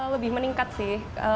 lebih meningkat sih